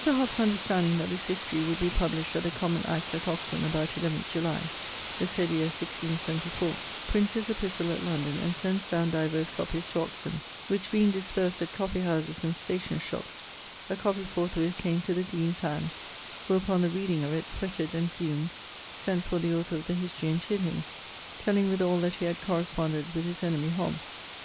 Hobbes understanding that this History would be published at the common Act at Oxon, about 11 July, the said yeare 1674, prints his Epistle at London, and sends downe divers copies to Oxon, which being dispersed at coffee houses and stationers' shops, a copie forthwith came to the deane's hands, who upon the reading of it fretted and fumed, sent for the author of the History and chid him, telling withall that he had corresponded with his enemie (Hobbes).